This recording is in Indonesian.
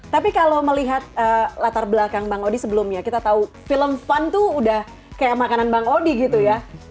tapi kalau melihat latar belakang bang odi sebelumnya kita tahu film fun tuh udah kayak makanan bang odi gitu ya